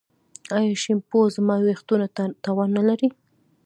ایا شیمپو زما ویښتو ته تاوان لري؟